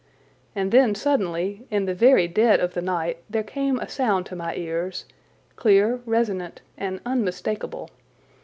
And then suddenly, in the very dead of the night, there came a sound to my ears, clear, resonant, and unmistakable.